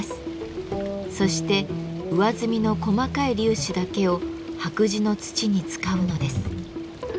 そして上澄みの細かい粒子だけを白磁の土に使うのです。